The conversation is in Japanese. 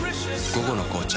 「午後の紅茶」